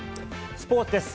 スポーツです。